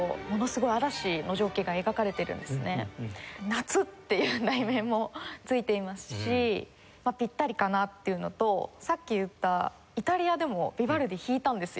『夏』っていう題名も付いていますしピッタリかなっていうのとさっき言ったイタリアでもヴィヴァルディ弾いたんですよ。